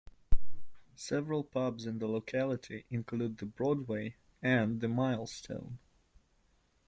Several pubs in the locality include The Broadway and The Milestone.